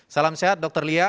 salam sehat dr lia